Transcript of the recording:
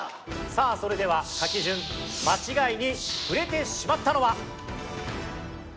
さあそれでは書き順間違いにふれてしまったのは？